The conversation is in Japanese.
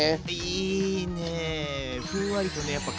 いいね！